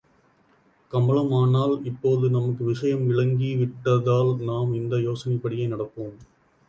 கமலம் ஆனால் இப்போது நமக்கு விஷயம் விளங்கி விட்டதால் நாம் இந்த யோசனைப்படியே நடப்போம்.